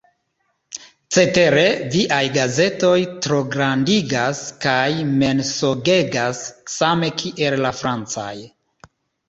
Cetere viaj gazetoj trograndigas kaj mensogegas same kiel la francaj.